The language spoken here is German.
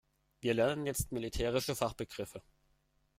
Wir lernen jetzt militärische Fachbegriffe.